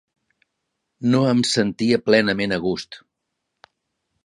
No em sentia plenament a gust.